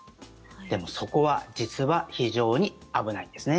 でも、そこは実は非常に危ないんですね。